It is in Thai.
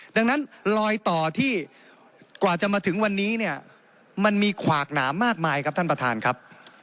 ดังนั้นลอยต่อที่กว่าจะมาถึงวันนี้เนี่ยมันมีขวากหนามากมายครับท่านประธานครับ